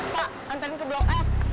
pak antarin ke blok f